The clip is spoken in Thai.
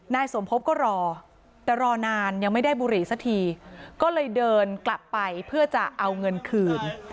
นายสมพบก็รอแต่รอนานยังไม่ได้บุหรี่สักทีก็เลยเดินกลับไปเพื่อจะเอาเงินคืน